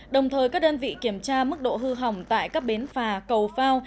đồng thời các đơn vị kiểm tra mức độ hư hỏng tại các bến phà cầu phao